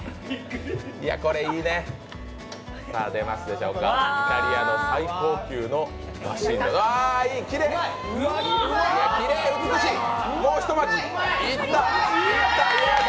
これいいね、イタリアの最高級のマシンうわ、きれい、もうひと巻き、いった！